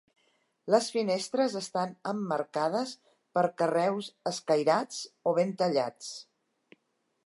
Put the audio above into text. Les finestres estan emmarcades per carreus escairats o ben tallats.